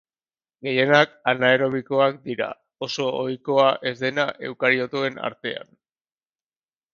Gehienak anaerobioak dira, oso ohikoa ez dena eukariotoen artean.